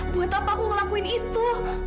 buat apa aku ngelakuin itu